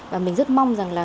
và mình rất mong rằng là